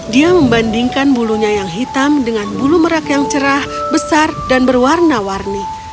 dia membandingkan bulunya yang hitam dengan bulu merak yang cerah besar dan berwarna warni